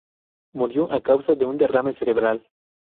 Murió a causa de un derrame cerebral.